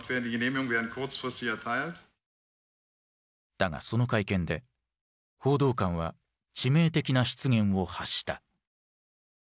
だがその会見で報道官は致命的な失言を発した。